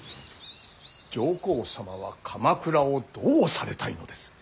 上皇様は鎌倉をどうされたいのです。